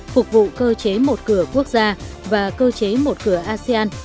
phục vụ cơ chế một cửa quốc gia và cơ chế một cửa asean